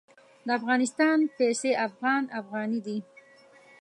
د افغانستان پیسې افغان افغاني دي.